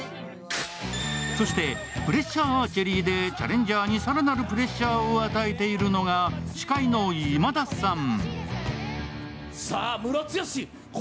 そしてプレッシャーアーチェリーでチャレンジャーに更なるプレッシャーを与えているのが司会の今田さん。